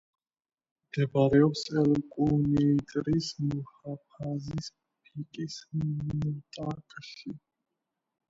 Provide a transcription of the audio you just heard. მდებარეობს ელ-კუნეიტრის მუჰაფაზის ფიკის მინტაკაში.